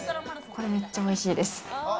これめっちゃおいしいです。